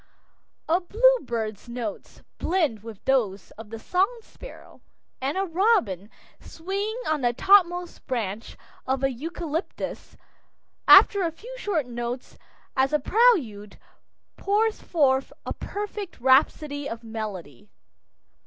A bluebird's notes blend with those of the song sparrow, and a robin swinging on the topmost branch of a eucalyptus, after a few short notes as a prelude, pours forth a perfect rhapsody of melody.